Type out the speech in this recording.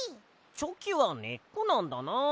」チョキはねっこなんだな。